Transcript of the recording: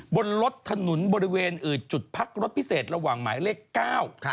บนรถถนนบริเวณอื่นจุดพักรถพิเศษระหว่างหมายเลขเก้า